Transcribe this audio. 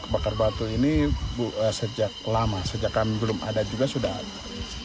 bakar batu ini sejak lama sejak kami belum ada juga sudah ada